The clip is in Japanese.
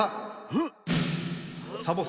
うん。